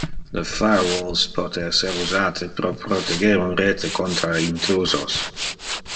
Le firewalles pote ser usate pro proteger un rete contra intrusos.